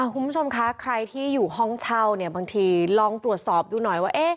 คุณผู้ชมคะใครที่อยู่ห้องเช่าเนี่ยบางทีลองตรวจสอบดูหน่อยว่า